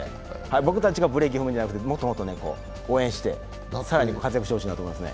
僕たちがブレーキ踏むんじゃなくてもっともっと応援して、更に活躍してほしいなと思いますね。